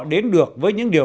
đến được với những điều